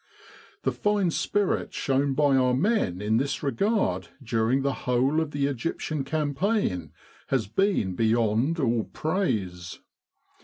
The fine spirit shown by our men in this regard during the whole of the Egyptian Cam paign has been beyond all praise.